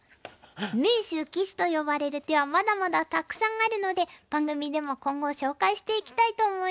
名手・鬼手と呼ばれる手はまだまだたくさんあるので番組でも今後紹介していきたいと思います。